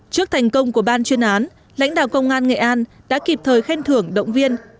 trước thành công của ban chuyên án lãnh đạo công an nghệ an đã kịp thời khen thưởng động viên